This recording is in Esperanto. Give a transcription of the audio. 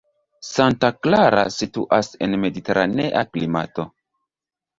Santa Clara situas en mediteranea klimato.